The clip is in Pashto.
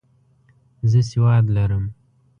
زه سواد لرم.